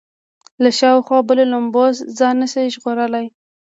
له شاوخوا بلو لمبو ځان نه شي ژغورلی.